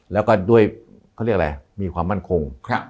แล้วก็ด้วยเขาเรียกอะไรมีความมั่นคง